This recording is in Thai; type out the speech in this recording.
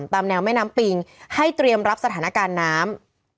ตามแนวแม่น้ำปิงให้เตรียมรับสถานการณ์น้ำ